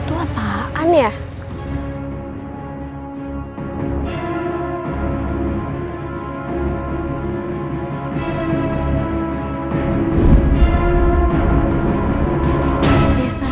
untung buat di bilik ini ya